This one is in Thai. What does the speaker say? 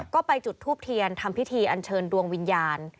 ก็ไปจุดทูบเทียนทำพิธีอันเชิญดวงวิญญาณ